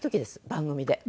番組で。